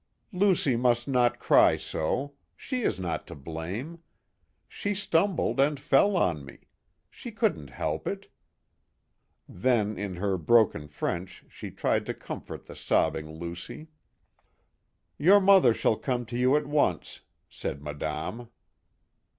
" Lucie mvrst not cry so. She is not to blame. She stumbled, and fell on me. She couldn't help it ;" then in her broken French she tried to comfort the sobbing Lucy. "MISSMILLY." 113 '' Your mother shall come to you at once," said Madame.